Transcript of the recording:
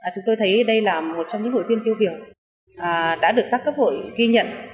chúng tôi thấy đây là một trong những hội viên tiêu biểu đã được các cấp hội ghi nhận